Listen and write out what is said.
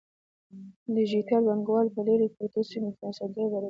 ډیجیټل بانکوالي په لیرې پرتو سیمو کې اسانتیاوې برابروي.